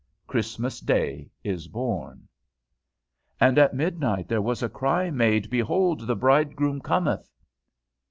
Christmas day is born! "And at midnight there was a cry made, Behold, the bridegroom cometh."